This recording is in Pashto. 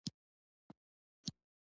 د کرکټ ټیم ولې مشهور شو؟